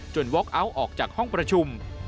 จนว็อกอัลออกจากห้องประชุม